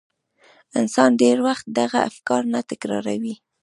انسان ډېر وخت دغه افکار نه تکراروي.